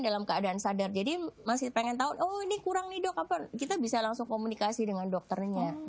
dalam keadaan sadar jadi masih pengen tahu oh ini kurang nih dok kapan kita bisa langsung komunikasi dengan dokternya